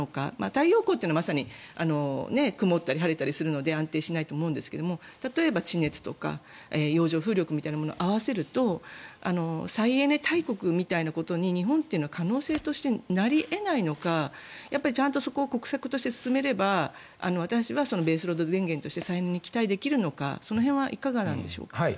太陽光というのはまさに曇ったり晴れたりするので安定しないと思うんですが例えば地熱とか洋上風力みたいなものを合わせると再エネ大国みたいなことに日本というのは可能性としてなり得ないのかちゃんとそこを国策として進めれば私たちはベースロード電源として再エネに期待できるのかその辺はいかがでしょうか。